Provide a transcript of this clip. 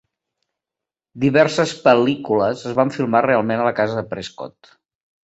Diverses pel·lícules es van filmar realment a la casa de Prescott.